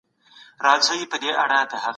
څنګه ریښتینولي موږ له ذهني فشارونو او وېرو ژغوري؟